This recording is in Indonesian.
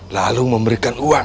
lalu memberikan uang